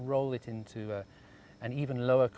dan itu akan menjadikan